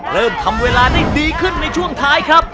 เริ่มทำเวลาได้ดีขึ้นในช่วงท้ายครับ